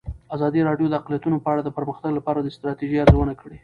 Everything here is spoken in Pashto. ازادي راډیو د اقلیتونه په اړه د پرمختګ لپاره د ستراتیژۍ ارزونه کړې.